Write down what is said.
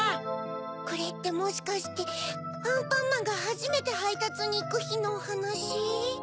これってもしかしてアンパンマンがはじめてはいたつにいくひのおはなし？